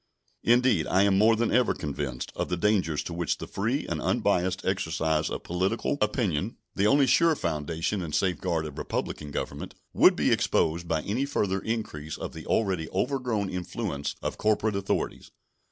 Indeed, I am more than ever convinced of the dangers to which the free and unbiased exercise of political opinion the only sure foundation and safeguard of republican government would be exposed by any further increase of the already overgrown influence of corporate authorities.